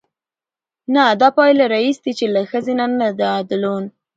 نه دا پايله راايستې، چې له ښځې نه د ادلون